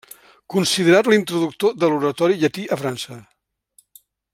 Considerat l'introductor de l'oratori llatí a França.